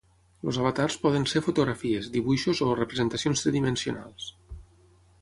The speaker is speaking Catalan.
Els avatars poden ser fotografies, dibuixos o, representacions tridimensionals.